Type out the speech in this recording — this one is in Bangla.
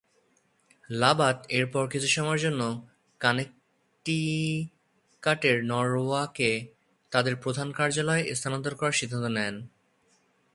লাবাত এরপর কিছু সময়ের জন্য কানেকটিকাটের নরওয়াকে তাদের প্রধান কার্যালয় স্থানান্তর করার সিদ্ধান্ত নেন।